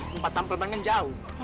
bukan tempatnya jauh